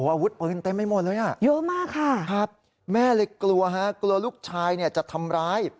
อาวุธปืนเต็มไม่หมดเลยอ่ะครับแม่เลยกลัวฮะกลัวลูกชายจะทำร้าย